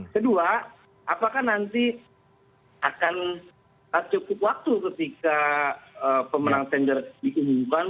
kedua apakah nanti akan cukup waktu ketika pemenang tender diumumkan